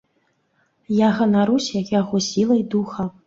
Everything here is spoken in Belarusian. Я ганаруся яго сілай духа.